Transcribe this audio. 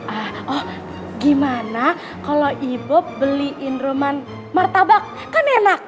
ah oh gimana kalo ibuk beliin roman martabak kan enak